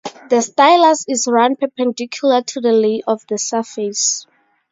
The stylus is run perpendicular to the lay of the surface.